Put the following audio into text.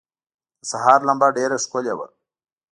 د سهار لمبه ډېره ښکلي وه.